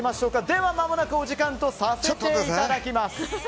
ではまもなくお時間とさせていただきます。